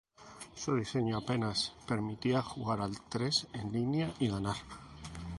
Su diseño apenas permitía jugar al tres en línea y ganar.